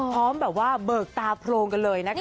พร้อมแบบว่าเบิกตาโพรงกันเลยนะคะ